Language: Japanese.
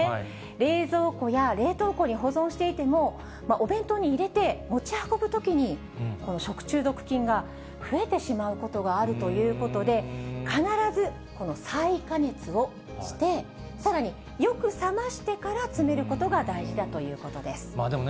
冷蔵庫や冷凍庫に保存していても、お弁当に入れて持ち運ぶときに、食中毒菌が増えてしまうことがあるということで、必ず再加熱をして、さらによく冷ましてから詰めることが大事だということです。